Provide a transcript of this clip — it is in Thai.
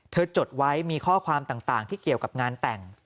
จดไว้มีข้อความต่างที่เกี่ยวกับงานแต่ง